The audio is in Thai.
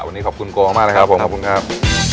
วันนี้ขอบคุณโกมากนะครับผมขอบคุณครับ